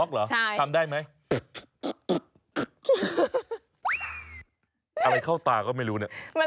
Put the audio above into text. เฮ้ยเฮ้ยเฮ้ยเฮ้ยเฮ้ยเฮ้ยเฮ้ยเฮ้ยเฮ้ยเฮ้ยเฮ้ยเฮ้ยเฮ้ยเฮ้ยเฮ้ยเฮ้ยเฮ้ยเฮ้ยเฮ้ยเฮ้ย